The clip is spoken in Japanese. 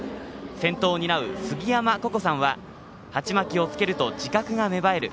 先頭を担う、すぎやまさんは鉢巻きをつけると自覚が芽生える。